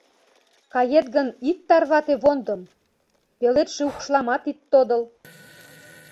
Кает гын, ит тарвате вондым, Пеледше укшламат ит тодыл.